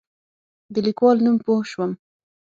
د لیکوال نوم پوه شوم.